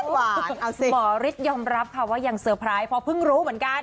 หวานเอาสิบอกลิตยอมรับค่ะว่ายังเซอร์ไพรส์พอเพิ่งรู้เหมือนกัน